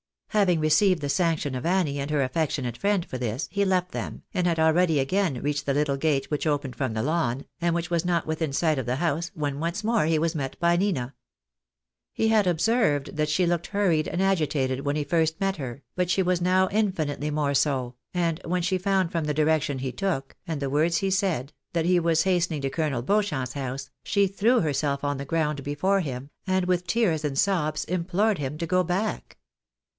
Having received the sanction of Annie and her affectionate fiiend for this, he left them, and had already again reached the little gate which opened from the lawn, and which was not within sight of the house, when once more he was met by Nina. He had observed that she looked hurried and agitated when he first met her, but she was now infinitely more so, and when she found from the direction he took, and the words he said, that he was hastening to Colonel Beauchamp's house, she threw herself on the ground before him, and with tears and sobs implored him to go back.